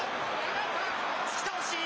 突き倒し。